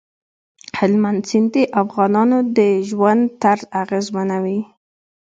هلمند سیند د افغانانو د ژوند طرز اغېزمنوي.